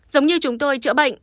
giống như chúng tôi chữa bệnh